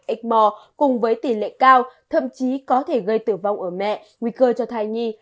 xịt mò cùng với tỷ lệ cao thậm chí có thể gây tử vong ở mẹ nguy cơ cho thai nhi